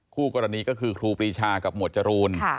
คู่กรณีก็คือครูปรีชากับหมวดจรูน